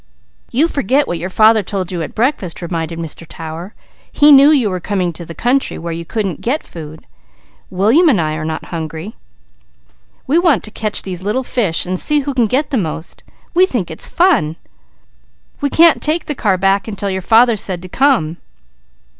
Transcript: "You forget what your father told you at breakfast," said Mr. Tower. "He knew you were coming to the country where you couldn't get food. William and I are not hungry. We want to catch these little fish, and see who can get the most. We think it's fun. We can't take the car back until your father said to come."